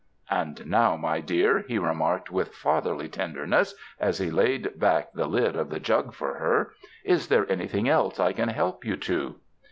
"And now, my dear," he remarked with fatherly tenderness, as he laid back the lid of the jug for her, *'is there anything else I can help you to?"